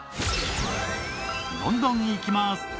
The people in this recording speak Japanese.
どんどんいきます。